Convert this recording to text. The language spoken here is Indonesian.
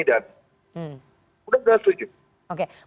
dan udah gak setuju